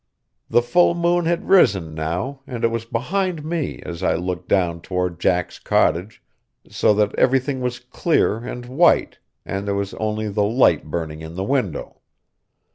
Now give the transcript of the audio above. The full moon had risen now, and it was behind me as I looked down toward Jack's cottage, so that everything was clear and white, and there was only the light burning in the window.